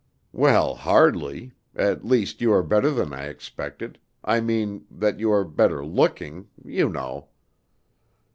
"Well, hardly at least, you are better than I expected I mean that you are better looking, you know."